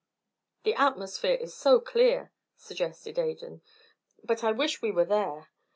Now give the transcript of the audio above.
"The atmosphere is so clear," suggested Adan. "But I wish we were there.